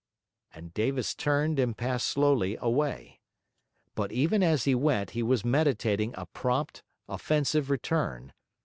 And Davis turned and passed slowly away. But even as he went, he was meditating a prompt, offensive return.